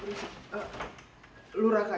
mbak lama mbak